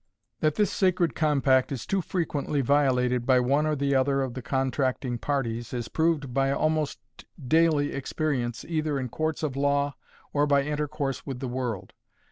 That this sacred compact is too frequently violated by one or other of the contracting parties is proved by almost daily experience either in courts of law or by intercourse with the world.